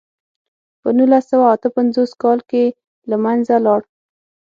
په نولس سوه اته پنځوس کال کې له منځه لاړ.